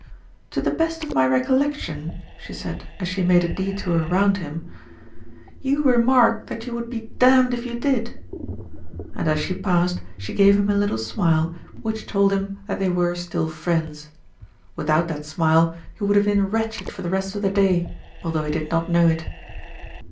"To the best of my recollection," she said as she made a detour round him, "you remarked that you would be damned if you did," and as she passed she gave him a little smile which told him that they were 378 THE RETURN OF ALFRED still friends. Without that smile, he would have been wretched for the rest of the day, although he did not know it.